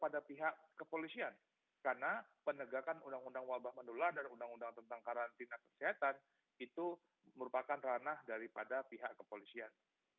dan juga kan undang undang wabah mendular dan undang undang tentang karantina kesehatan itu merupakan ranah daripada pihak kepolisian